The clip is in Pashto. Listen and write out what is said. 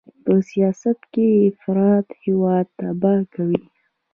په سیاست کې افراط هېواد تباه کوي.